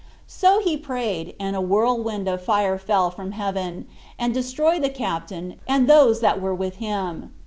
5 So he prayed, and a whirlwind of fire fell [from heaven], and destroyed the captain, and those that were with him.